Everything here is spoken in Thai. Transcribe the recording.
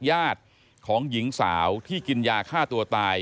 ญาติของหญิงสาวที่กินยาฆ่าตัวตาย